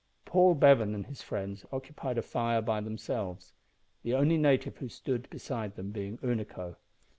Paul Bevan and his friends occupied a fire by themselves, the only native who stood beside them being Unaco.